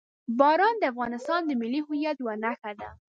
باران د افغانستان د ملي هویت یوه نښه ده.